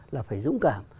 là phải dũng cảm